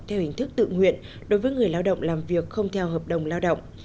theo hình thức tự nguyện đối với người lao động làm việc không theo hợp đồng lao động